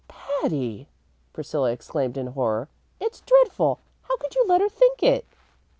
"Patty!" Priscilla exclaimed in horror, "it's dreadful. How could you let her think it?"